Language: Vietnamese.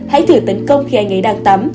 hãy thử tấn công khi anh ấy đang tắm